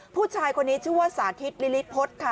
ผู้ชายคนนี้ชื่อว่าสาธิตลิลิพฤษค่ะ